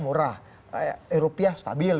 murah rupiah stabil